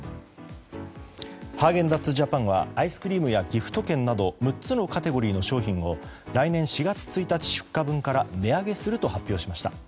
ハーゲンダッツ・ジャパンはアイスクリームやギフト券など６つのカテゴリーの商品を来年４月１日出荷分から値上げすると発表しました。